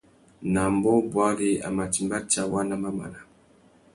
Nà ambōh bwari a mà timba tsawá nà mamana.